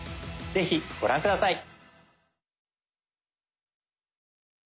是非ご覧下さい。